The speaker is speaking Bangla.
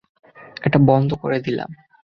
এটা বন্ধ করে দিলাম।